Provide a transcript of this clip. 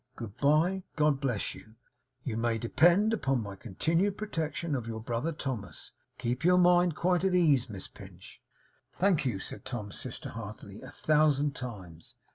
Good bye. God bless you! You may depend upon my continued protection of your brother Thomas. Keep your mind quite at ease, Miss Pinch!' 'Thank you,' said Tom's sister heartily; 'a thousand times.